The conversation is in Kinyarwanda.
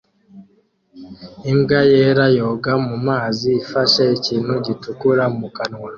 Imbwa yera yoga mu mazi ifashe ikintu gitukura mu kanwa